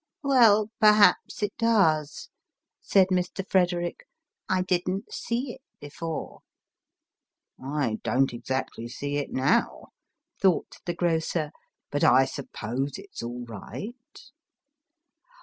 "Well, perhaps it does," said Mr. Frederick; "I didn't see it before." " I don't exactly see it now," thought the grocer ;" but I suppose it's all right."